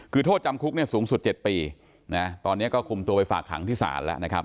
คือโทษจำคุกเนี่ยสูงสุด๗ปีนะตอนนี้ก็คุมตัวไปฝากขังที่ศาลแล้วนะครับ